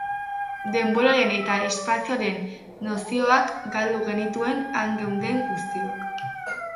Denboraren eta espazioaren nozioak galdu genituen han geunden guztiok.